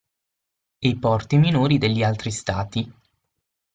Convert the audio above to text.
E i porti minori degli altri stati.